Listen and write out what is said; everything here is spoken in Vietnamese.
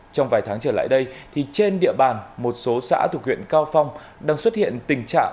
trong vài tháng trở lại đây trên địa bàn một số xã thuộc huyện cao phong đang xuất hiện tình trạng